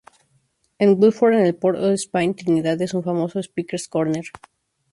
En Woodford en el Port of Spain, Trinidad es un famoso Speakers' Corner.